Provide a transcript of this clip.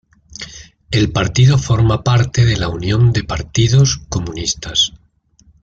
El partido forma parte de la Unión de Partidos Comunistas.